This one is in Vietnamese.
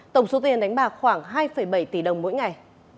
tổng số tiền đánh bạc khoảng hai bảy tỷ đồng mỗi ngày